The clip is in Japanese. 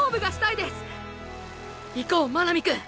いこう真波くん！！